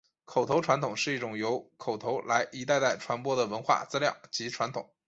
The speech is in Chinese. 口头传统是一种由口头来一代代传播的文化资料及传统。